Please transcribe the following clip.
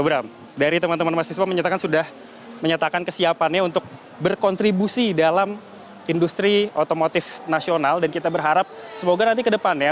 bram dari teman teman mahasiswa menyatakan sudah menyatakan kesiapannya untuk berkontribusi dalam industri otomotif nasional dan kita berharap semoga nanti ke depan ya